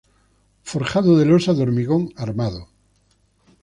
Forjado de losa de hormigón armado.